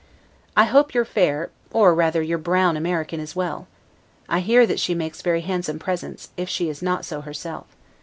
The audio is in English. I hope your fair, or rather your brown AMERICAN is well. I hear that she makes very handsome presents, if she is not so herself.